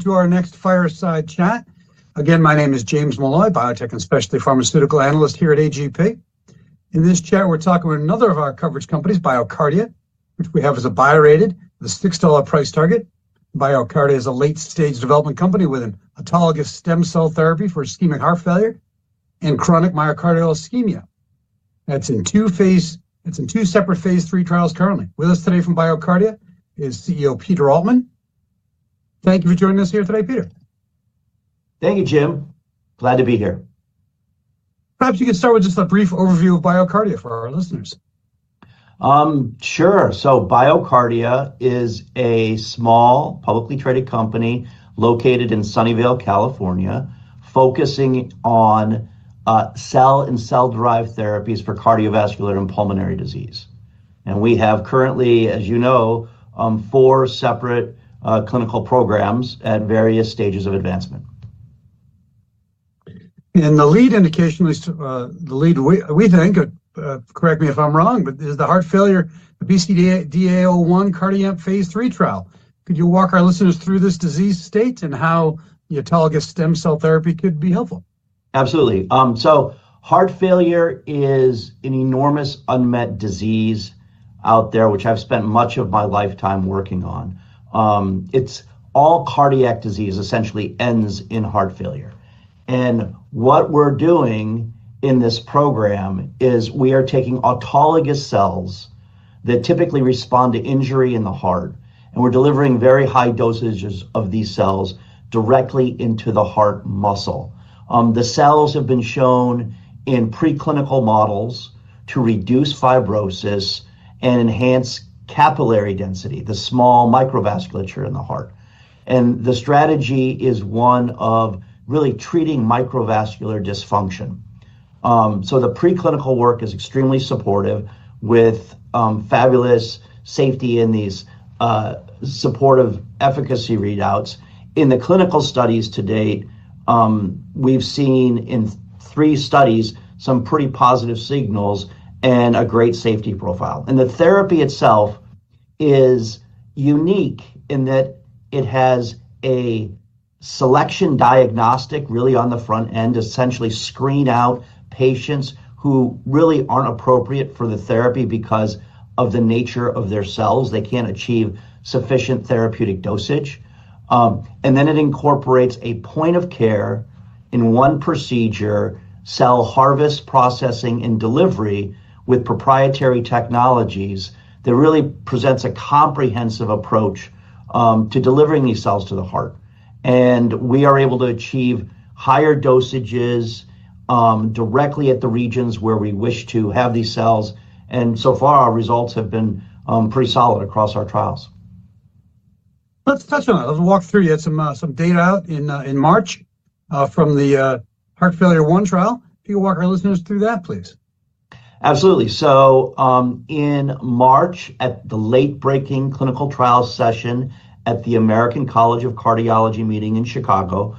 To our next fireside chat. Again, my name is James Molloy, biotech and specialty pharmaceutical analyst here at AGP. In this chat, we're talking about another of our coverage companies, BioCardia, which we have as a buy-rated with a $6 price target. BioCardia is a late-stage development company with an autologous stem cell therapy for ischemic heart failure and chronic myocardial ischemia. That's in two phase, it's in two separate phase III trials currently. With us today from BioCardia is CEO Peter Altman. Thank you for joining us here today, Peter. Thank you, Jim. Glad to be here. Perhaps you can start with just a brief overview of BioCardia for our listeners. Sure. BioCardia is a small publicly traded company located in Sunnyvale, California, focusing on cell and cell-derived therapies for cardiovascular and pulmonary disease. We have currently, as you know, four separate clinical programs at various stages of advancement. The lead indication is the lead, we think, correct me if I'm wrong, but is the heart failure, the BCDA01 CardiAmp phase III trial. Could you walk our listeners through this disease state and how the autologous stem cell therapy could be helpful? Absolutely. Heart failure is an enormous unmet disease out there, which I've spent much of my lifetime working on. All cardiac disease essentially ends in heart failure. What we're doing in this program is we are taking autologous cells that typically respond to injury in the heart, and we're delivering very high dosages of these cells directly into the heart muscle. The cells have been shown in preclinical models to reduce fibrosis and enhance capillary density, the small microvasculature in the heart. The strategy is one of really treating microvascular dysfunction. The preclinical work is extremely supportive with fabulous safety in these supportive efficacy readouts. In the clinical studies to date, we've seen in three studies some pretty positive signals and a great safety profile. The therapy itself is unique in that it has a selection diagnostic really on the front end, essentially to screen out patients who really are not appropriate for the therapy because of the nature of their cells. They cannot achieve sufficient therapeutic dosage. It incorporates a point of care in one procedure, cell harvest, processing, and delivery with proprietary technologies that really presents a comprehensive approach to delivering these cells to the heart. We are able to achieve higher dosages directly at the regions where we wish to have these cells. So far, our results have been pretty solid across our trials. Let's touch on it. Let's walk through. You had some data out in March from the heart failure one trial. If you could walk our listeners through that, please. Absolutely. In March, at the late-breaking clinical trial session at the American College of Cardiology meeting in Chicago,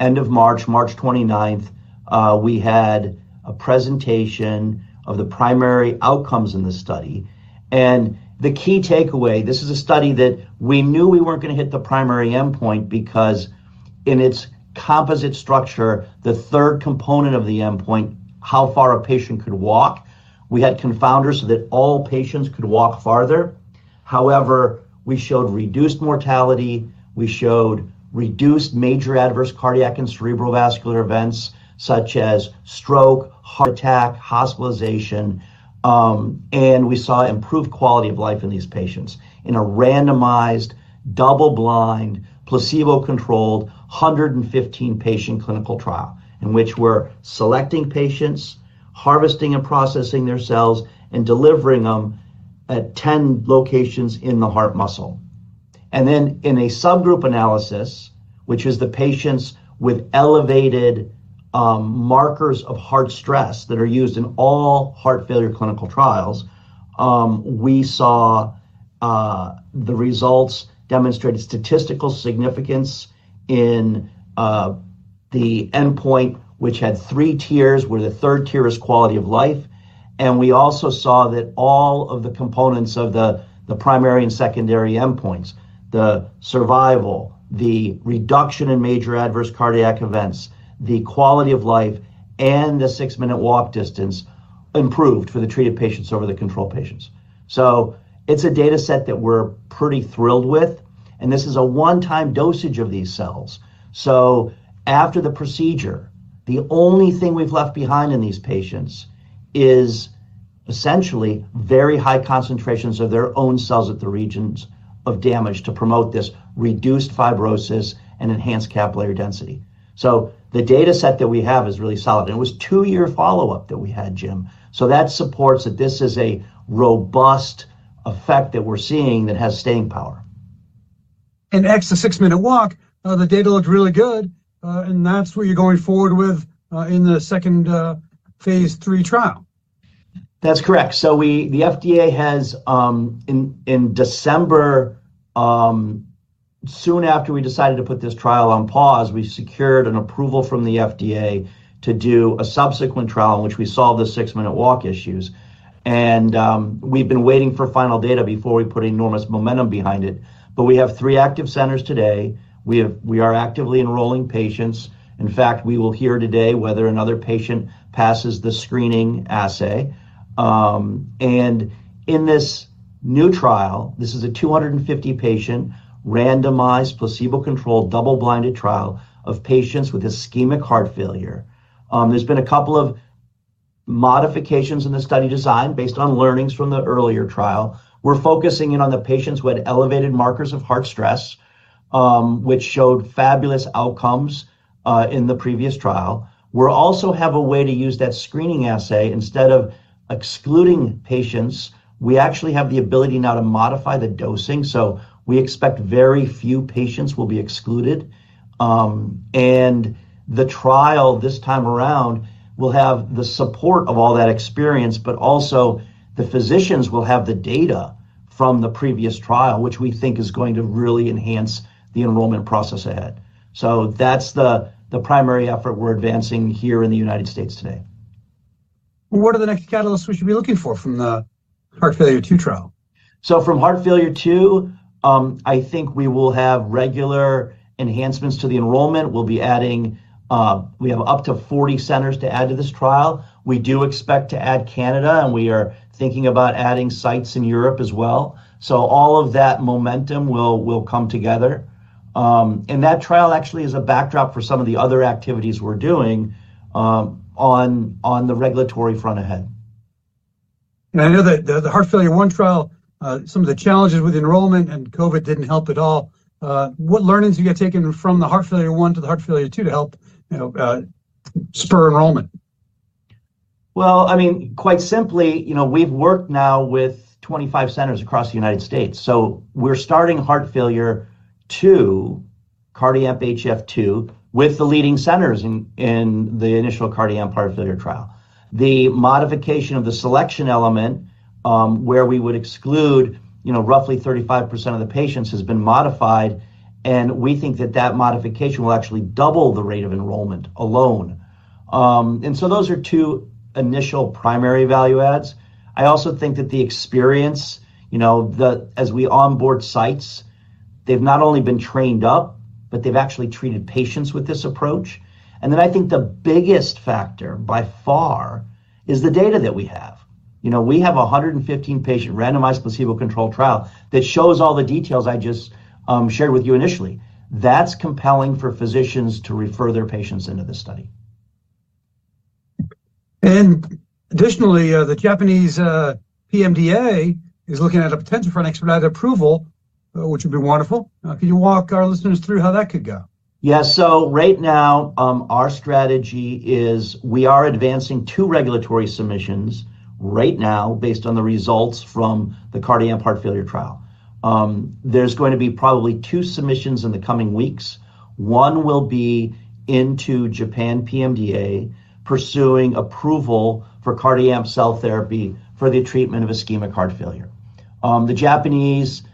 end of March, March 29th, we had a presentation of the primary outcomes in the study. The key takeaway, this is a study that we knew we were not going to hit the primary endpoint because in its composite structure, the third component of the endpoint, how far a patient could walk, we had confounders so that all patients could walk farther. However, we showed reduced mortality. We showed reduced major adverse cardiac and cerebrovascular events such as stroke, heart attack, hospitalization. We saw improved quality of life in these patients in a randomized, double-blind, placebo-controlled 115-patient clinical trial in which we are selecting patients, harvesting and processing their cells, and delivering them at 10 locations in the heart muscle. In a subgroup analysis, which is the patients with elevated markers of heart stress that are used in all heart failure clinical trials, we saw the results demonstrated statistical significance in the endpoint, which had three tiers where the third tier is quality of life. We also saw that all of the components of the primary and secondary endpoints, the survival, the reduction in major adverse cardiac events, the quality of life, and the six-minute walk distance improved for the treated patients over the controlled patients. It is a data set that we're pretty thrilled with. This is a one-time dosage of these cells. After the procedure, the only thing we've left behind in these patients is essentially very high concentrations of their own cells at the regions of damage to promote this reduced fibrosis and enhanced capillary density. The data set that we have is really solid. It was two-year follow-up that we had, Jim. That supports that this is a robust effect that we're seeing that has staying power. The six-minute walk, the data looked really good. That is what you're going forward with in the second phase III trial. That's correct. The FDA has in December, soon after we decided to put this trial on pause, we secured an approval from the FDA to do a subsequent trial in which we solved the six-minute walk issues. We've been waiting for final data before we put enormous momentum behind it. We have three active centers today. We are actively enrolling patients. In fact, we will hear today whether another patient passes the screening assay. In this new trial, this is a 250-patient randomized placebo-controlled double-blinded trial of patients with ischemic heart failure. There have been a couple of modifications in the study design based on learnings from the earlier trial. We're focusing in on the patients who had elevated markers of heart stress, which showed fabulous outcomes in the previous trial. We also have a way to use that screening assay. Instead of excluding patients, we actually have the ability now to modify the dosing. We expect very few patients will be excluded. The trial this time around will have the support of all that experience, but also the physicians will have the data from the previous trial, which we think is going to really enhance the enrollment process ahead. That is the primary effort we're advancing here in the United States today. What are the next catalysts we should be looking for from the heart failure two trial? From heart failure two, I think we will have regular enhancements to the enrollment. We'll be adding, we have up to 40 centers to add to this trial. We do expect to add Canada, and we are thinking about adding sites in Europe as well. All of that momentum will come together. That trial actually is a backdrop for some of the other activities we're doing on the regulatory front ahead. I know that the heart failure one trial, some of the challenges with enrollment and COVID did not help at all. What learnings have you taken from the heart failure one to the heart failure two to help spur enrollment? I mean, quite simply, we've worked now with 25 centers across the United States. We're starting heart failure two, CardiAmp HF2, with the leading centers in the initial CardiAmp heart failure trial. The modification of the selection element where we would exclude roughly 35% of the patients has been modified. We think that that modification will actually double the rate of enrollment alone. Those are two initial primary value adds. I also think that the experience, as we onboard sites, they've not only been trained up, but they've actually treated patients with this approach. I think the biggest factor by far is the data that we have. We have a 115-patient randomized placebo-controlled trial that shows all the details I just shared with you initially. That's compelling for physicians to refer their patients into the study. Additionally, the Japanese PMDA is looking at a potential for an expedited approval, which would be wonderful. Could you walk our listeners through how that could go? Yeah. Right now, our strategy is we are advancing two regulatory submissions right now based on the results from the CardiAmp heart failure trial. There's going to be probably two submissions in the coming weeks. One will be into Japan PMDA pursuing approval for CardiAmp cell therapy for the treatment of ischemic heart failure. The Japanese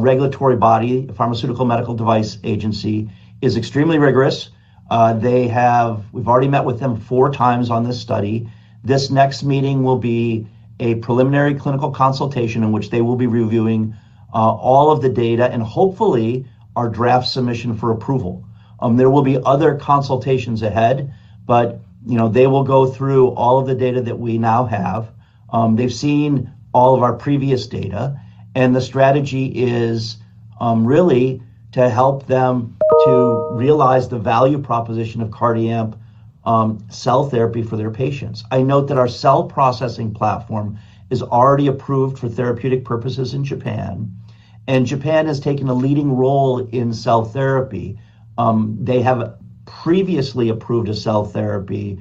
regulatory body, Pharmaceutical Medical Device Agency, is extremely rigorous. We've already met with them four times on this study. This next meeting will be a preliminary clinical consultation in which they will be reviewing all of the data and hopefully our draft submission for approval. There will be other consultations ahead, but they will go through all of the data that we now have. They've seen all of our previous data. The strategy is really to help them to realize the value proposition of CardiAmp cell therapy for their patients. I note that our cell processing platform is already approved for therapeutic purposes in Japan. Japan has taken a leading role in cell therapy. They have previously approved a cell therapy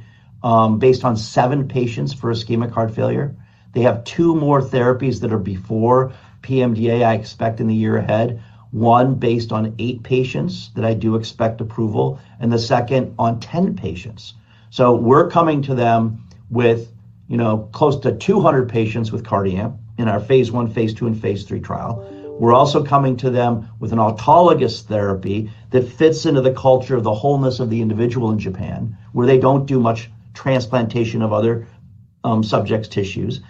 based on seven patients for ischemic heart failure. They have two more therapies that are before PMDA, I expect in the year ahead. One based on eight patients that I do expect approval, and the second on 10 patients. We are coming to them with close to 200 patients with CardiAmp in our phase I, phase II, and phase III trial. We are also coming to them with an autologous therapy that fits into the culture of the wholeness of the individual in Japan, where they do not do much transplantation of other subjects' tissues.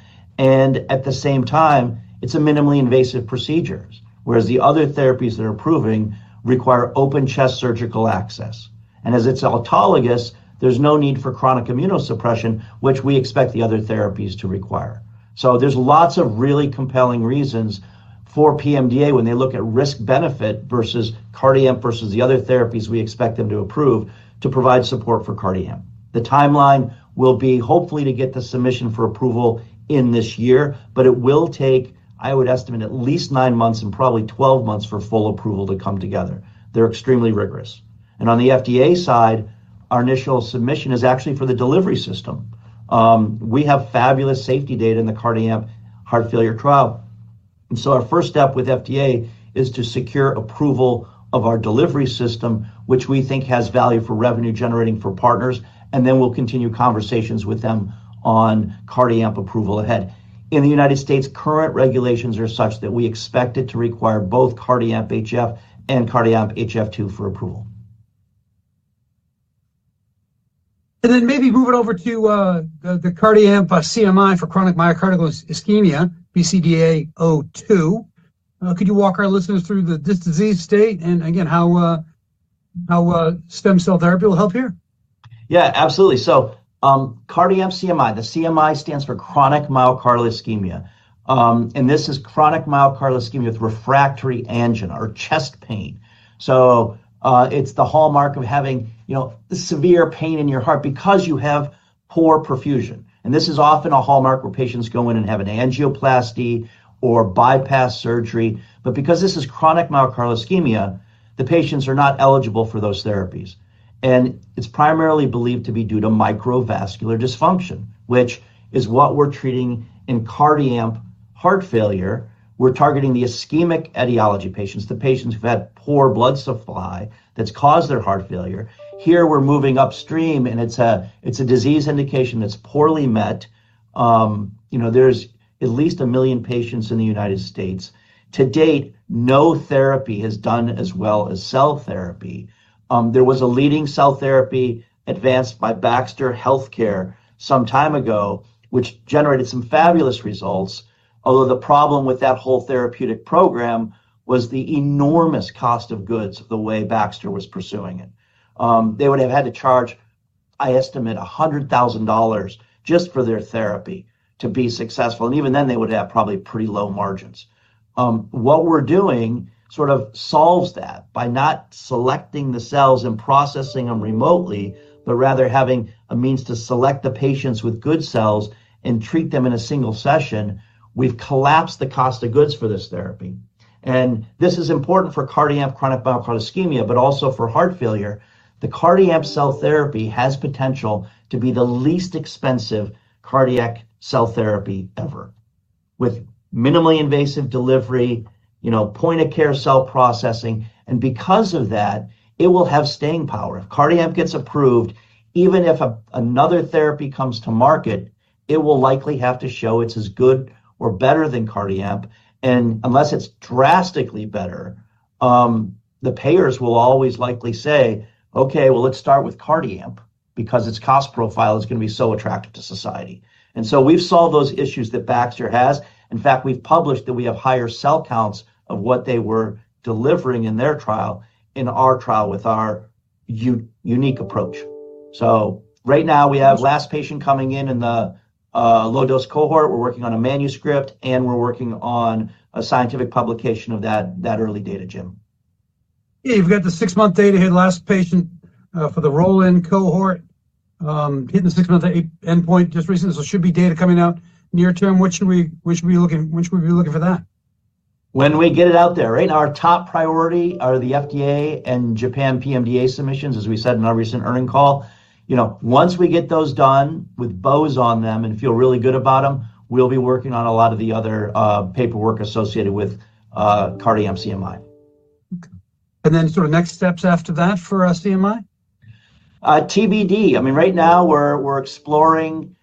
At the same time, it is a minimally invasive procedure, whereas the other therapies that are approving require open chest surgical access. As it's autologous, there's no need for chronic immunosuppression, which we expect the other therapies to require. There are lots of really compelling reasons for PMDA when they look at risk-benefit versus CardiAmp versus the other therapies we expect them to approve to provide support for CardiAmp. The timeline will be hopefully to get the submission for approval in this year, but it will take, I would estimate, at least nine months and probably 12 months for full approval to come together. They are extremely rigorous. On the FDA side, our initial submission is actually for the delivery system. We have fabulous safety data in the CardiAmp heart failure trial. Our first step with FDA is to secure approval of our delivery system, which we think has value for revenue-generating for partners. We will continue conversations with them on CardiAmp approval ahead. In the United States, current regulations are such that we expect it to require both CardiAmp HF and CardiAmp HF2 for approval. Maybe move it over to the CardiAmp CMI for chronic myocardial ischemia, BCDA02. Could you walk our listeners through this disease state and again, how stem cell therapy will help here? Yeah, absolutely. CardiAmp CMI, the CMI stands for chronic myocardial ischemia. This is chronic myocardial ischemia with refractory angina or chest pain. It's the hallmark of having severe pain in your heart because you have poor perfusion. This is often a hallmark where patients go in and have an angioplasty or bypass surgery. Because this is chronic myocardial ischemia, the patients are not eligible for those therapies. It's primarily believed to be due to microvascular dysfunction, which is what we're treating in CardiAmp heart failure. We're targeting the ischemic etiology patients, the patients who've had poor blood supply that's caused their heart failure. Here, we're moving upstream, and it's a disease indication that's poorly met. There's at least 1 million patients in the United States. To date, no therapy has done as well as cell therapy. There was a leading cell therapy advanced by Baxter Healthcare some time ago, which generated some fabulous results. Although the problem with that whole therapeutic program was the enormous cost of goods the way Baxter was pursuing it. They would have had to charge, I estimate, $100,000 just for their therapy to be successful. Even then, they would have probably pretty low margins. What we're doing sort of solves that by not selecting the cells and processing them remotely, but rather having a means to select the patients with good cells and treat them in a single session, we've collapsed the cost of goods for this therapy. This is important for CardiAmp chronic myocardial ischemia, but also for heart failure. The CardiAmp cell therapy has potential to be the least expensive cardiac cell therapy ever with minimally invasive delivery, point-of-care cell processing. Because of that, it will have staying power. If CardiAmp gets approved, even if another therapy comes to market, it will likely have to show it's as good or better than CardiAmp. Unless it's drastically better, the payers will always likely say, "Okay, well, let's start with CardiAmp because its cost profile is going to be so attractive to society." We have solved those issues that Baxter has. In fact, we've published that we have higher cell counts of what they were delivering in their trial in our trial with our unique approach. Right now, we have the last patient coming in in the low-dose cohort. We're working on a manuscript, and we're working on a scientific publication of that early data, Jim. Yeah, you've got the six-month data here, the last patient for the roll-in cohort, hitting the six-month endpoint just recently. There should be data coming out near term. When should we be looking for that? When we get it out there, right? Our top priority are the FDA and Japan PMDA submissions, as we said in our recent earnings call. Once we get those done with bows on them and feel really good about them, we'll be working on a lot of the other paperwork associated with CardiAmp CMI. What are the next steps after that for CMI? I mean, right now, we're exploring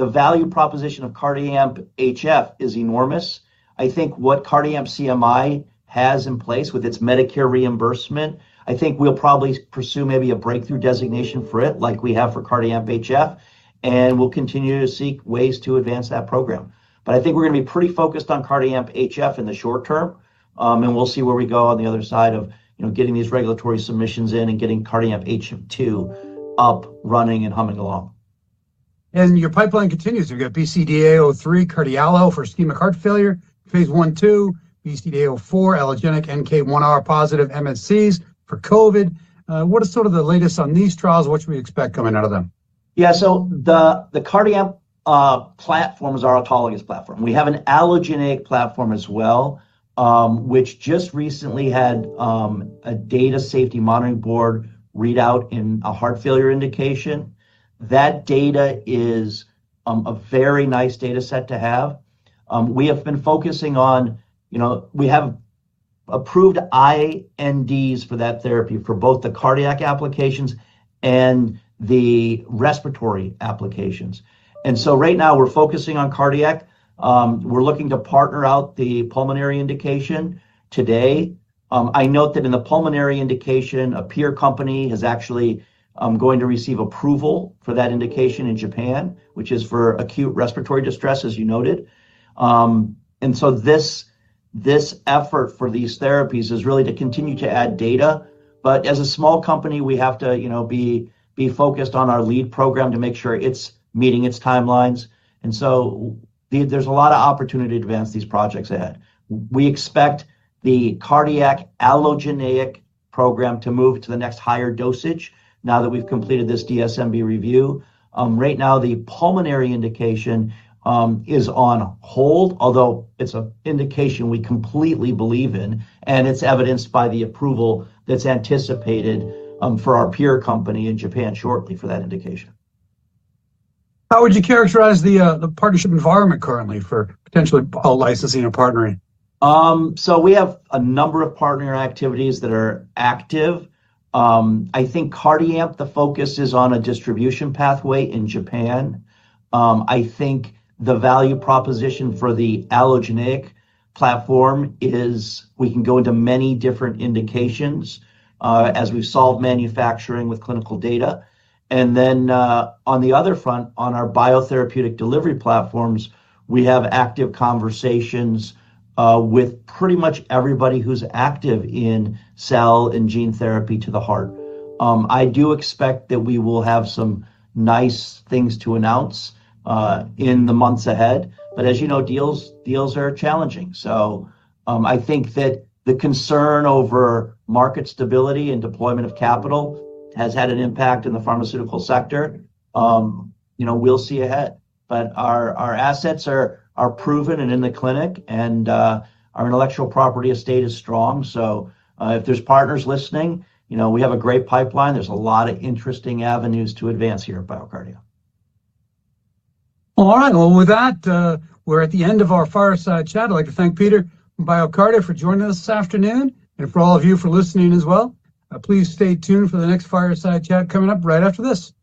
the value proposition of CardiAmp HF is enormous. I think what CardiAmp CMI has in place with its Medicare reimbursement, I think we'll probably pursue maybe a breakthrough designation for it like we have for CardiAmp HF. I mean, we'll continue to seek ways to advance that program. I think we're going to be pretty focused on CardiAmp HF in the short term. We'll see where we go on the other side of getting these regulatory submissions in and getting CardiAmp HF2 up, running, and humming along. Your pipeline continues. You've got BCDA03, CardiAlo for ischemic heart failure, phase I/II, BCDA04, allogeneic NK1R-positive MSCs for COVID. What is sort of the latest on these trials? What should we expect coming out of them? Yeah. So the CardiAmp platform is our autologous platform. We have an allogeneic platform as well, which just recently had a Data Safety Monitoring Board readout in a heart failure indication. That data is a very nice data set to have. We have been focusing on, we have approved INDs for that therapy for both the cardiac applications and the respiratory applications. Right now, we're focusing on cardiac. We're looking to partner out the pulmonary indication today. I note that in the pulmonary indication, a peer company is actually going to receive approval for that indication in Japan, which is for acute respiratory distress, as you noted. This effort for these therapies is really to continue to add data. As a small company, we have to be focused on our lead program to make sure it's meeting its timelines. There is a lot of opportunity to advance these projects ahead. We expect the cardiac allogeneic program to move to the next higher dosage now that we have completed this DSMB review. Right now, the pulmonary indication is on hold, although it is an indication we completely believe in. It is evidenced by the approval that is anticipated for our peer company in Japan shortly for that indication. How would you characterize the partnership environment currently for potentially licensing or partnering? We have a number of partner activities that are active. I think CardiAmp, the focus is on a distribution pathway in Japan. I think the value proposition for the allogeneic platform is we can go into many different indications as we have solved manufacturing with clinical data. Then on the other front, on our biotherapeutic delivery platforms, we have active conversations with pretty much everybody who is active in cell and gene therapy to the heart. I do expect that we will have some nice things to announce in the months ahead. As you know, deals are challenging. I think that the concern over market stability and deployment of capital has had an impact in the pharmaceutical sector. We will see ahead. Our assets are proven and in the clinic, and our intellectual property estate is strong. If there are partners listening, we have a great pipeline. There's a lot of interesting avenues to advance here at BioCardia. All right. With that, we're at the end of our Fireside Chat. I'd like to thank Peter from BioCardia for joining us this afternoon and for all of you for listening as well. Please stay tuned for the next Fireside Chat coming up right after this. Thank you.